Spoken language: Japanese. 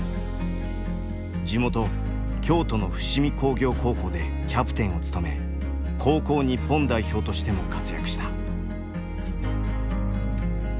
地元京都の伏見工業高校でキャプテンを務め高校日本代表としても活躍した。